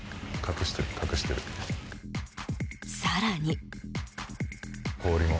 更に。